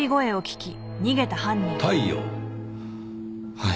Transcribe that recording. はい。